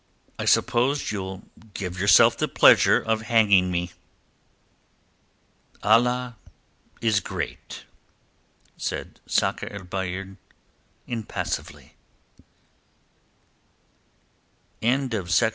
"I suppose ye'll give yourself the pleasure of hanging me." "Allah is great!" said Sakr el Bahr impassively. CHAPTER II.